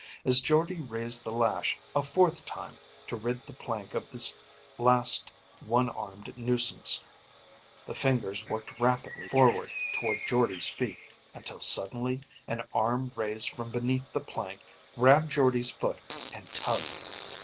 As Jordde raised the lash a fourth time to rid the plank of this last one armed nuisance, the fingers worked rapidly forward toward Jordde's feet, until suddenly an arm raised from beneath the plank, grabbed Jordde's foot, and tugged.